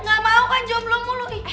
ente gak mau kan jomblo mulu